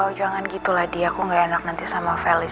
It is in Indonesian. oh jangan gitu lah dia aku gak enak nanti sama felis